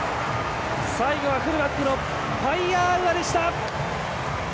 最後はフルバックのパイアアウアでした！